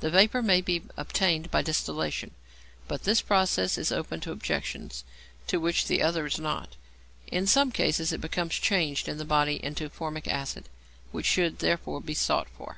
The vapour may be obtained by distillation, but this process is open to objections to which the other is not. In some cases it becomes changed in the body into formic acid, which should therefore be sought for.